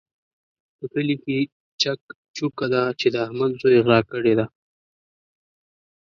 په کلي کې چک چوکه ده چې د احمد زوی غلا کړې ده.